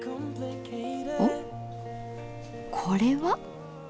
おっこれは。